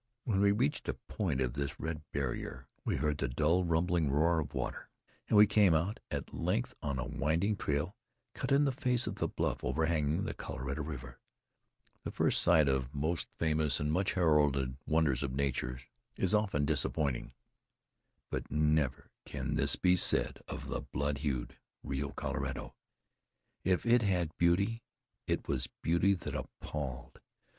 When we reached a point of this red barrier, we heard the dull rumbling roar of water, and we came out, at length, on a winding trail cut in the face of a blue overhanging the Colorado River. The first sight of most famous and much heralded wonders of nature is often disappointing; but never can this be said of the blood hued Rio Colorado. If it had beauty, it was beauty that appalled.